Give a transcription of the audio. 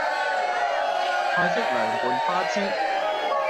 泰式涼拌花枝